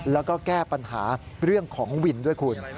แล้วก็แก้ปัญหาเรื่องของวินด้วยคุณ